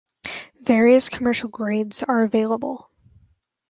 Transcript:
Various commercial grades are available.